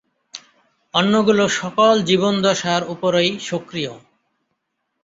অন্যগুলো সকল জীবন দশার উপরই সক্রিয়।